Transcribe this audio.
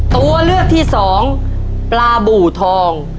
ตัวเลือกที่สองปลาบูทอง